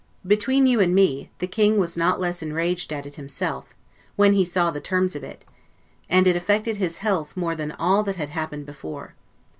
Between you and me, the King was not less enraged at it himself, when he saw the terms of it; and it affected his health more than all that had happened before.